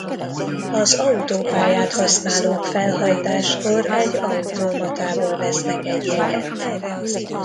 Az autópályát használók felhajtáskor egy automatából vesznek egy jegyet.